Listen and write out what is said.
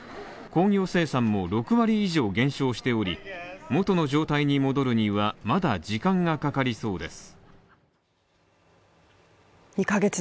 工業生産も６割以上減少しており、元の状態に戻るにはまだ時間がかかりそうです。